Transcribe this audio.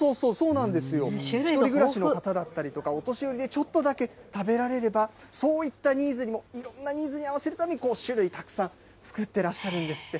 １人暮らしの方だったりとか、お年寄りでちょっとだけ食べられれば、そういったニーズにも、いろんなニーズに合わせるために、こう種類たくさん、作ってらっしゃるんですって。